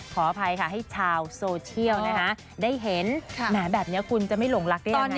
ขออภัยค่ะให้ชาวโซเชียลนะคะได้เห็นแหมแบบนี้คุณจะไม่หลงรักได้ยังไง